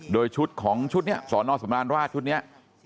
โดยชุดของชุดนี้สอนอสำราญราชชุดนี้